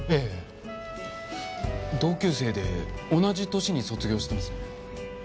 同級生で同じ年に卒業してますね。